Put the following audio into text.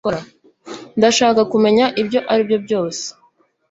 ndashaka kumenya ibyo aribyo byose